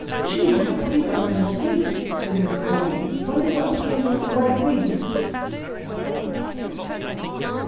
"Gee! I believe I've been asleep," said Miss Colby. "Wonder what became of the White Wings!"